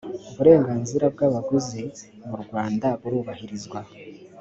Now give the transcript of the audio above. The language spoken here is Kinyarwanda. uburenganzira bw’ abaguzi mu rwanda burubahirizwa